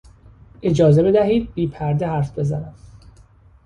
اجازه بدهید بی پرده حرف بزنم.